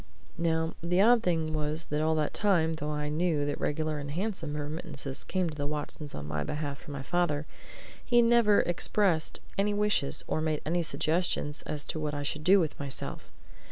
Now, the odd thing was that all that time, though I knew that regular and handsome remittances came to the Watsons on my behalf from my father, he never expressed any wishes, or made any suggestions, as to what I should do with myself.